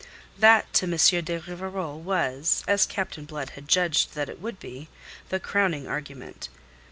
That to M. de Rivarol was as Captain Blood had judged that it would be the crowning argument.